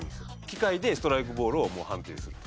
機械でストライクボールを判定する。